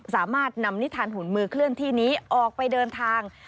สามารถนำนิทานหุ่นมือเคลื่อนที่นี้ออกไปเดินทาง